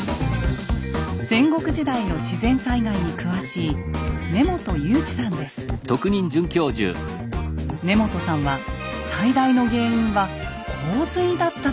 戦国時代の自然災害に詳しい根元さんは最大の原因は洪水だったと考えています。